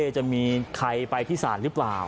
จะมีใครไปที่ศาลหรือเปล่า